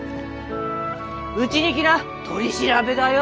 うちに来な取り調べだよ。